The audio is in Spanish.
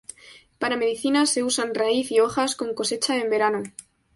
Para medicina se usan raíz y hojas, con cosecha en verano.